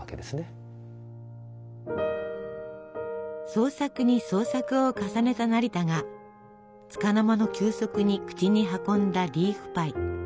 創作に創作を重ねた成田がつかの間の休息に口に運んだリーフパイ。